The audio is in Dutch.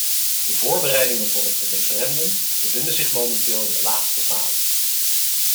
De voorbereidingen voor het referendum bevinden zich momenteel in de laatste fase.